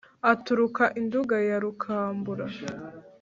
aturuka i nduga ya rukambura